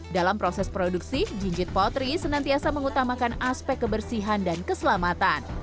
dalam proses produksi jinjit potri senantiasa mengutamakan aspek kebersihan dan keselamatan